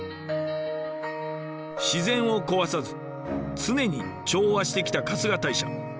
自然を壊さず常に調和してきた春日大社。